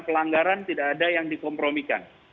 pelanggaran tidak ada yang dikompromikan